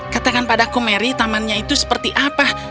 katakan padaku mary tamannya itu seperti apa